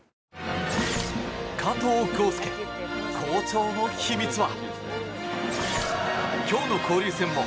加藤豪将、好調の秘密は？